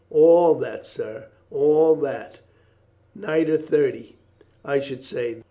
"All that, sir, all that; nigher thirty, I should say.